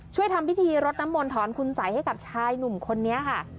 ทำพิธีรดน้ำมนต์ถอนคุณสัยให้กับชายหนุ่มคนนี้ค่ะ